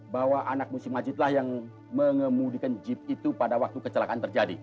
bahwa anak musim majid lah yang mengemudikan jeep itu pada waktu kecelakaan terjadi